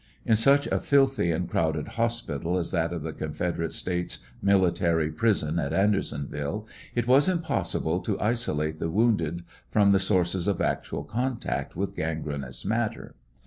In such a filthy and crowded hospital as that of the Confederate States Military Pris on at Andersonville, it was impossible to isolate the wounded from the sources of actual contact with gangrenous matter.